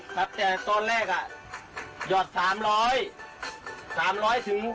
ผมจะยอดมาละ๕๐๐